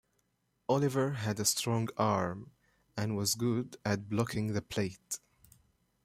Oliver had a strong arm and was good at blocking the plate.